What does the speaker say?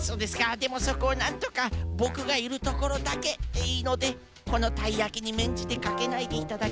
でもそこをなんとかボクがいるところだけでいいのでこのたいやきにめんじてかけないでいただけませんでしょうか？